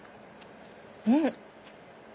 うん！